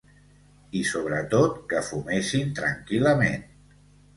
I, sobretot, que fumessin tranquil·lament.